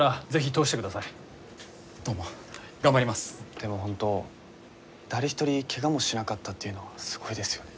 でも本当誰一人けがもしなかったっていうのはすごいですよね。